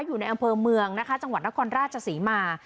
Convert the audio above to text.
อยู่ในอำเภอเมืองนะคะจังหวัดนครราชศรีมา